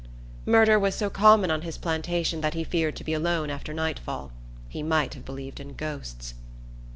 Murder was so common on his plantation that he feared to be alone after nightfall. He might have believed in ghosts.